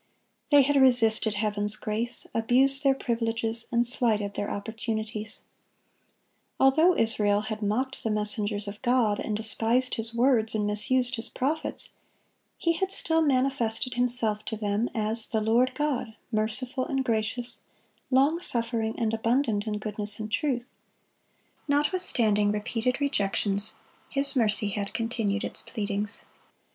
They had resisted Heaven's grace, abused their privileges, and slighted their opportunities. Although Israel had "mocked the messengers of God, and despised His words, and misused His prophets,"(10) He had still manifested Himself to them, as "the Lord God, merciful and gracious, long suffering, and abundant in goodness and truth;"(11) notwithstanding repeated rejections, His mercy had continued its pleadings.